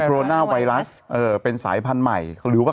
คืนไปนู่นไปนี่กันอยู่เลย